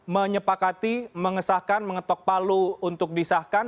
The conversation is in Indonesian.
menyepakati mengesahkan mengetok palu untuk disahkan